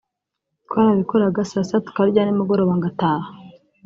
twarabikoraga saa sita tukarya ni mugoroba ngataha